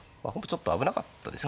ちょっと危なかったですかね。